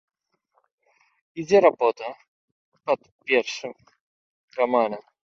Ідзе работа пад першым раманам.